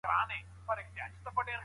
د احنافو نظر له شافعيانو سره موافق دی؟